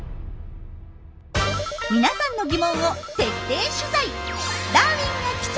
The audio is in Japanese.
皆さんの疑問を徹底取材！